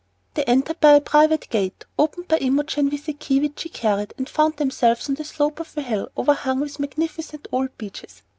They entered by a private gate, opened by Imogen with a key which she carried, and found themselves on the slope of a hill overhung with magnificent old beeches.